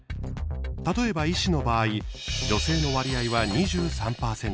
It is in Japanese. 例えば、医師の場合女性の割合は２３％。